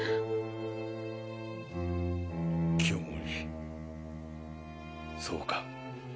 清盛そうか。